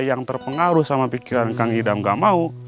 yang terpengaruh sama pikiran kang idam gak mau